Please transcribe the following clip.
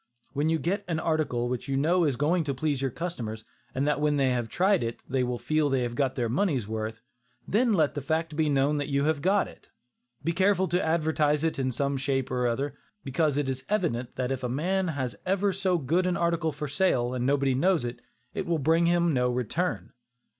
When you get an article which you know is going to please your customers, and that when they have tried it, they will feel they have got their money's worth, then let the fact be known that you have got it. Be careful to advertise it in some shape or other, because it is evident that if a man has ever so good an article for sale, and nobody knows it, it will bring him no return.